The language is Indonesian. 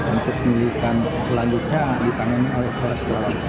untuk pemilikan selanjutnya ditangani oleh kores